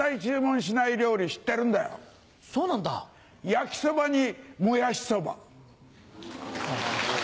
焼きそばにモヤシそば。